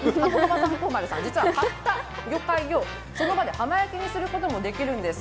三光丸境港さん、実は買った魚介をその場で浜焼きにすることもできるんです。